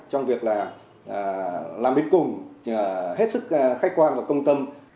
trong việc là làm đến cùng hết sức khách quan và công tâm